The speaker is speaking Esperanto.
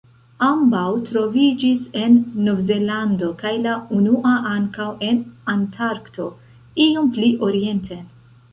Ambaŭ troviĝis en Novzelando, kaj la unua ankaŭ en Antarkto iom pli orienten.